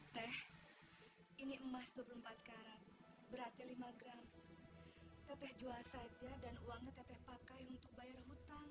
teh ini emas dua puluh empat karang berarti lima gram teteh jual saja dan uangnya teteh pakai untuk bayar hutang